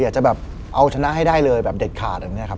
อยากจะแบบเอาชนะให้ได้เลยแบบเด็ดขาด